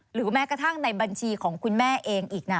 หรือแม้กระทั่งในบัญชีของคุณแม่เองอีกนะ